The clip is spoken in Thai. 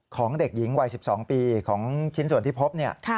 ของเด็กหญิงวัย๑๒ปีของชิ้นส่วนที่พบเนี่ย